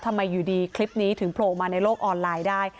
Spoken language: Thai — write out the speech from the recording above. ทำไมอยู่ดีคลิปนี้ถึงโผล่ออกมาในโลกออนไลน์ได้